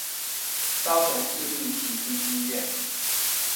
高雄市立旗津醫院